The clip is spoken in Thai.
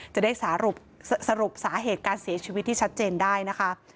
จะได้สรุปสาเหตุการเสียชีวิตที่ชัดเจนได้นะคะ